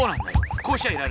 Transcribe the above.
こうしちゃいられねえ！